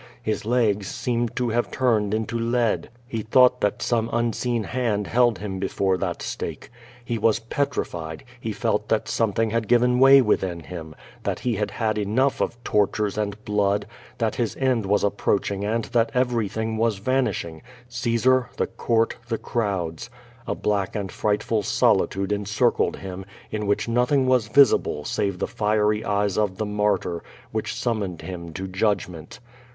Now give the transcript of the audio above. His legs seemed to have turned into lead. He thouglit that some unseen hand held him before that stake. He was petrified, he felt that ^^6 0^0 VADI8. something had given way within him; that he had had enough of tortures and blood, that his end was approaching and that everything was vanishing — Caesar, the court, the crowds. A black and frightful solitude encircled him, in which nothing was visible save the fiery eyes of the martyr, which summoned him to judgment.